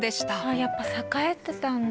やっぱ栄えてたんだ。